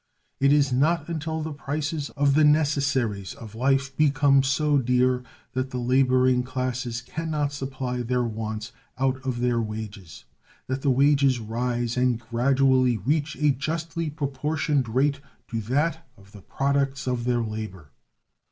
It is not until the prices of the necessaries of life become so dear that the laboring classes can not supply their wants out of their wages that the wages rise and gradually reach a justly proportioned rate to that of the products of their labor.